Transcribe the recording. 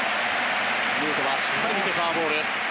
ヌートバーしっかり見てフォアボール。